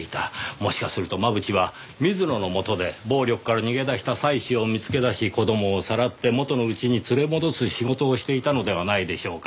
もしかすると真渕は水野のもとで暴力から逃げ出した妻子を見つけ出し子供をさらって元の家に連れ戻す仕事をしていたのではないでしょうか？